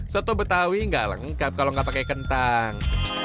soto betawi nggak lengkap kalau nggak pakai kentang